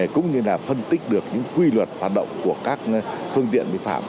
cũng như là phân tích được những quy luật hoạt động của các phương tiện vi phạm